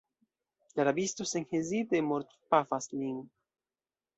La rabisto senhezite mortpafas lin.